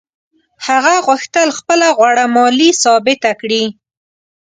هغه غوښتل خپله غوړه مالي ثابته کړي.